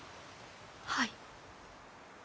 はい。